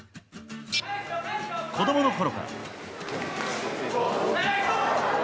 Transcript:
子供のころから。